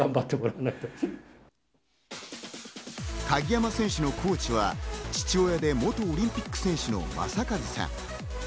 鍵山選手のコーチは父親で元オリンピック選手の正和さん。